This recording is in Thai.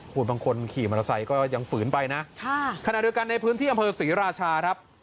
คุณบางคนขี่มอเตอร์ไซค์ก็ยังฝืนไปนะขณะเดียวกันในพื้นที่อำเภอศรีราชาครับ